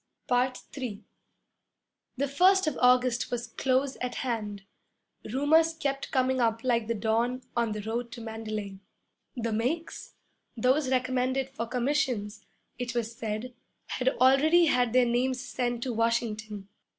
III The first of August was close at hand. Rumors kept coming up like the dawn 'on the road to Mandalay.' The 'makes' (those recommended for commissions), it was said, had already had their names sent to Washington.